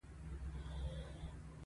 احمد له علي څخه د خپل ورور غچ واخیست.